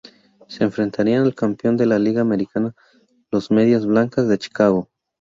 Se enfrentarían al campeón de la Liga Americana, los Medias Blancas de Chicago.